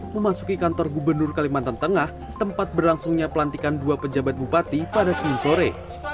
memasuki kantor gubernur kalimantan tengah tempat berlangsungnya pelantikan dua pejabat bupati pada senin sore